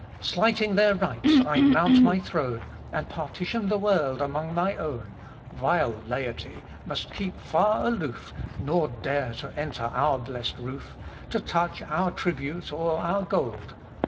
Slighting their rights I mount my throne, And partition the world among my own; Vile laity must keep far aloof, Nor dare to enter our blest roof, To touch our tribute, or our gold.